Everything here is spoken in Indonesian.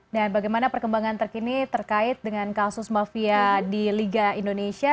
dan bagaimana perkembangan terkini terkait dengan kasus mafia di liga indonesia